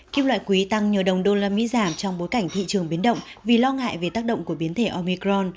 kiếm loại quý tăng nhờ đồng usd giảm trong bối cảnh thị trường biến động vì lo ngại về tác động của biến thể omicron